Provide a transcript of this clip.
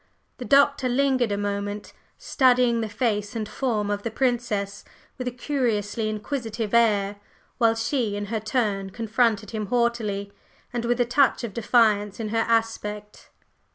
The Doctor lingered a moment, studying the face and form of the Princess with a curiously inquisitive air; while she in her turn confronted him haughtily, and with a touch of defiance in her aspect.